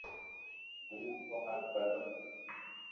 ھون ٿو ھارون ڀلو ھون